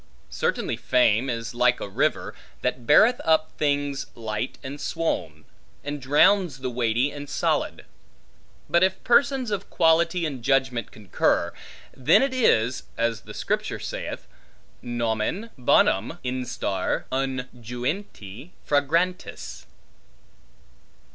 Certainly fame is like a river, that beareth up things light and swoln, and drowns things weighty and solid. But if persons of quality and judgment concur, then it is (as the Scripture saith) nomen bonum instar unguenti fragrantis.